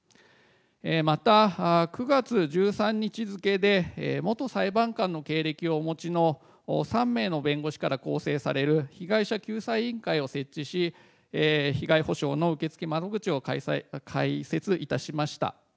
また９月１３日付で、元裁判官の経歴をお持ちの３名の弁護士から構成される被害者救済委員会を設置し、被害補償の受付窓口を開設いたしました。